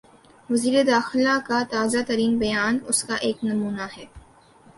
وزیر داخلہ کا تازہ ترین بیان اس کا ایک نمونہ ہے۔